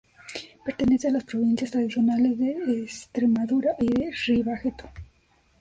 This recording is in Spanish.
Pertenece a las provincias tradicionales de Estremadura y de Ribatejo.